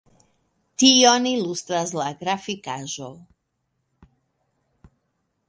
Tion ilustras la grafikaĵo.